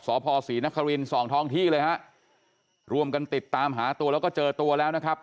พ่อศรีนครินสองท้องที่เลยฮะรวมกันติดตามหาตัวแล้วก็เจอตัวแล้วนะครับ